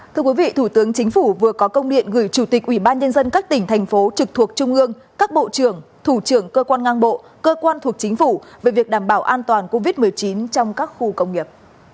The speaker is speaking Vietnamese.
thưa quý vị thủ tướng chính phủ vừa có công điện gửi chủ tịch ủy ban nhân dân các tỉnh thành phố trực thuộc trung ương các bộ trưởng thủ trưởng cơ quan ngang bộ cơ quan thuộc chính phủ về việc đảm bảo an toàn covid một mươi chín trong các khu công nghiệp